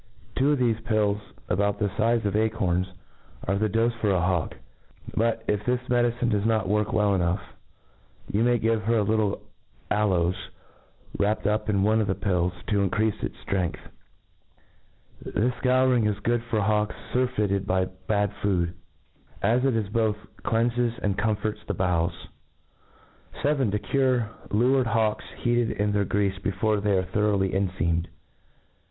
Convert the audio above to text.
Two qf thefe ptUs, about the fize of acorns, are the dofe for a hawk^ But, if this medicine does not work well enough, you may give her a little aloes, wrapt up in one of the pills, t6 increafe its Arength. This ^cpviriug is good for hawfcs fixrfeitcd by bad food. 24^ A T R E A T I S E O F food, as it both clefanfes and comforts the bowclst 7. To cure lured Hawks heated in their Gredfi before they are thoroughly enfeamed.